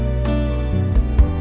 aku mau ke sana